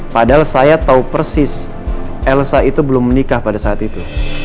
padahal saya tahu persis elsa itu belum menikah pada saat itu